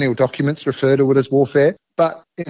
semua dokumen klonial mengatakannya sebagai perang